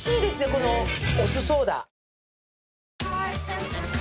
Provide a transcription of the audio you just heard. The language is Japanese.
このお酢ソーダ。